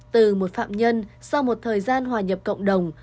từ một phạm nhân sau một thời gian hòa nhập cộng đồng